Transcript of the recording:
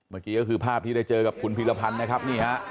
เมื่อกี้ก็คือภาพที่ได้เจอกับคุณพีรพันธ์นะครับนี่ฮะ